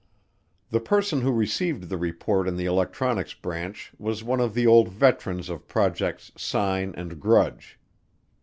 The person who received the report in the electronics branch was one of the old veterans of Projects Sign and Grudge.